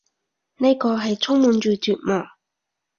呢個係充滿住絕望